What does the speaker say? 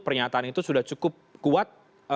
pernyataan itu sudah cukup kuat